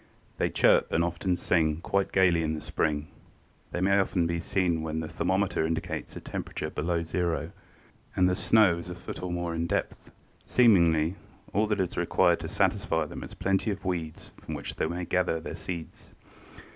They chirp and often sing quite gaily in the spring. They may often be seen when the thermometer indicates a temperature below zero and the snow is a foot or more in depth. Seemingly all that is required to satisfy them is a plenty of weeds from which they may gather the seeds.